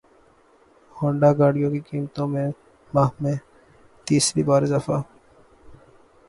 Honda گاڑیوں کی قیمتوں میں ماہ میں تیسری بار اضافہ